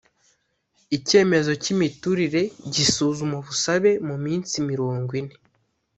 icyemezo cy Imiturire gisuzuma ubusabe mu minsi mirongo ine